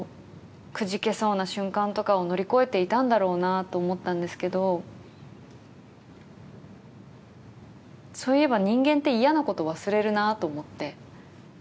くじけそうな瞬間とかを乗り越えていたんだろうなと思ったんですけどそういえば人間って嫌なこと忘れるなと思って。